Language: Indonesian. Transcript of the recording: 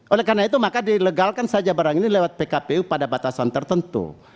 oleh karena itu maka dilegalkan saja barang ini lewat pkpu pada batasan tertentu